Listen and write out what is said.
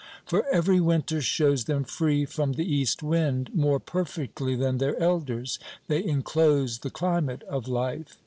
For every winter shows them free from the east wind; more perfectly than their elders, they enclose the climate of life.